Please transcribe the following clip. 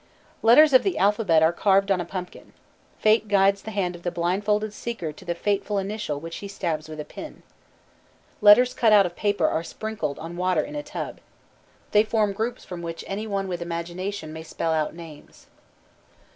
Letters of the alphabet are carved on a pumpkin. Fate guides the hand of the blindfolded seeker to the fateful initial which he stabs with a pin. Letters cut out of paper are sprinkled on water in a tub. They form groups from which any one with imagination may spell out names.